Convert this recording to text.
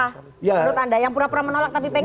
menurut anda yang pura pura menolak tapi pk